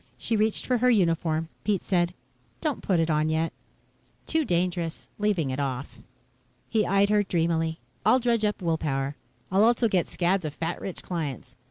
She reached for her uniform. Pete said, "Don't put it on yet." "Too dangerous leaving it off." He eyed her dreamily. "I'll dredge up will power. I'll also get scads of fat rich clients.